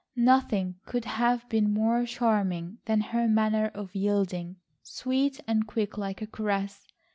Nothing could have been more charming than her manner of yielding, sweet and quick like a caress.